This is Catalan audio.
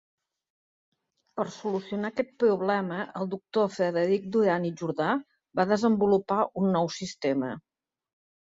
Per solucionar aquest problema, el doctor Frederic Duran i Jordà va desenvolupar un nou sistema.